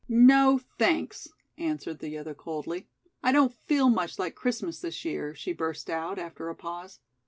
"No, thanks," answered the other coldly. "I don't feel much like Christmas this year," she burst out, after a pause.